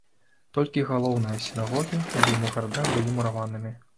Толькі галоўныя сінагогі ў буйных гарадах былі мураванымі.